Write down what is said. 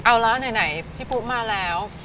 เอาละไหนพี่ปุ๊มาแล้ว